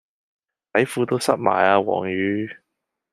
底褲都濕埋啊黃雨